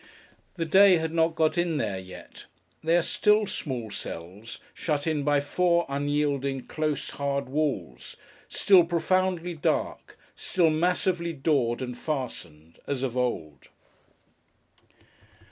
The day has not got in there yet. They are still small cells, shut in by four unyielding, close, hard walls; still profoundly dark; still massively doored and fastened, as of old.